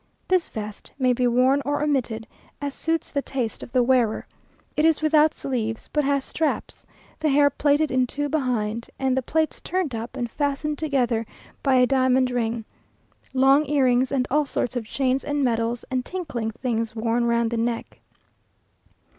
This vest may be worn or omitted, as suits the taste of the wearer. It is without sleeves, but has straps; the hair plaited in two behind, and the plaits turned up and fastened together by a diamond ring; long earrings, and all sorts of chains and medals and tinkling things worn round the neck.